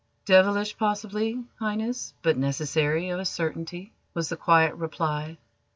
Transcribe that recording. "Devilish, possibly, Highness, but necessary, of a certainty," was the quiet reply.